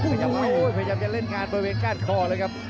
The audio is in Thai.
พยายามโอ้ยพยายามจะเล่นงานบริเวณก้านคอเลยครับ